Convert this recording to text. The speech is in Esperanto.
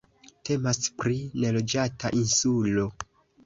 Temas pri neloĝata insulo.